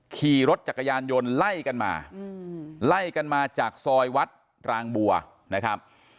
ขี่รถจักรยานยนต์ไล่กันมาไล่กันมาจากซอยวัดรางบัวนะครับ